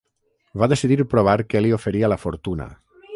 Va decidir provar què li oferia la fortuna.